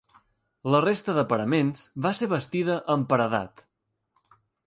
La resta de paraments va ser bastida amb paredat.